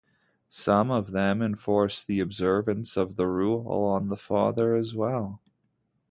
Some of them enforce the observance of the rule on the father as well.